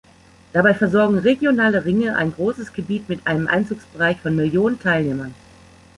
Dabei versorgen regionale Ringe ein großes Gebiet mit einem Einzugsbereich von Millionen Teilnehmern.